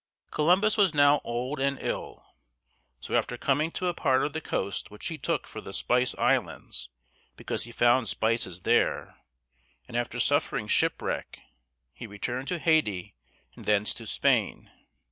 Columbus was now old and ill; so after coming to a part of the coast which he took for the Spice Islands because he found spices there, and after suffering shipwreck, he returned to Haiti and thence to Spain.